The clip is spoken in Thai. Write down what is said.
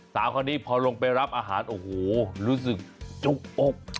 สาวคนนี้พอลงไปรับอาหารโอ้โหรู้สึกจุกอก